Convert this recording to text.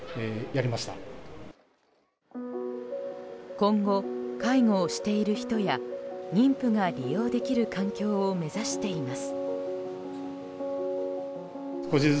今後、介護をしている人や妊婦が利用できる環境を目指しています。